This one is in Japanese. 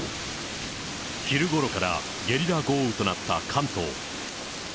昼ごろからゲリラ豪雨となった関東。